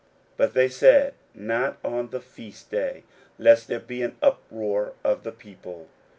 41:014:002 But they said, Not on the feast day, lest there be an uproar of the people.